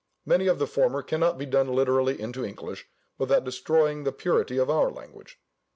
Many of the former cannot be done literally into English without destroying the purity of our language.